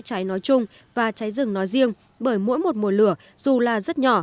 cháy chữa cháy nói chung và cháy rừng nói riêng bởi mỗi một mùa lửa dù là rất nhỏ